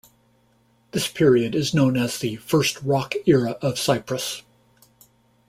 This period is known as the "First Rock Era of Cyprus".